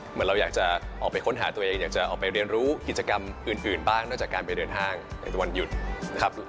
เหมือนเราอยากจะออกไปค้นหาตัวเองอยากจะออกไปเรียนรู้กิจกรรมอื่นบ้างนอกจากการไปเดินห้างในวันหยุดนะครับ